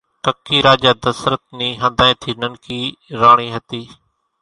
ڪڪِي راجا ڌسرت نِي ۿنڌانئين ٿي ننڪي راڻي ھتي